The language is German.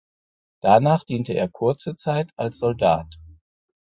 Danach diente er kurze Zeit als Soldat.